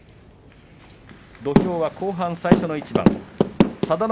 土俵は後半最初の一番です。